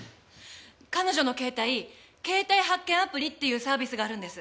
彼女の携帯携帯発見アプリっていうサービスがあるんです。